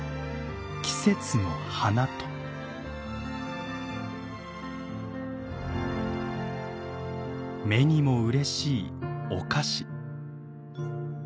季節の花と目にもうれしいお菓子。